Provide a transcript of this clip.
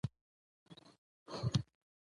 ټکه لوېدلې پر استادانو